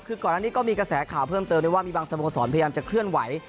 คือก่อนอันนี้ก็มีกระแสข่าวเพิ่มเติมได้ว่ามีบางสโมสรพยายามจะเคลื่อนไหว